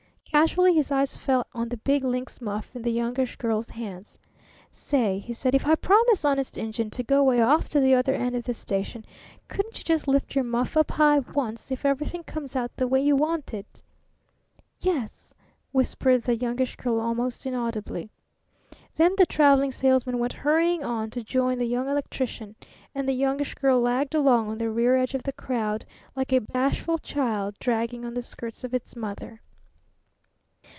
Casually his eyes fell on the big lynx muff in the Youngish Girl's hand. "Say," he said, "if I promise, honest Injun, to go 'way off to the other end of the station, couldn't you just lift your muff up high, once, if everything comes out the way you want it?" "Y e s," whispered the Youngish Girl almost inaudibly. Then the Traveling Salesman went hurrying on to join the Young Electrician, and the Youngish Girl lagged along on the rear edge of the crowd like a bashful child dragging on the skirts of its mother.